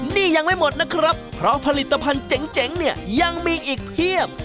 นี่ยังไม่หมดนะครับเพราะผลิตภัณฑ์เจ๋งเนี่ยยังมีอีกเพียบ